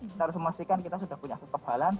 kita harus memastikan kita sudah punya kekebalan